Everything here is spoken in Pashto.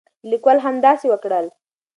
لیکوال همداسې وکړل.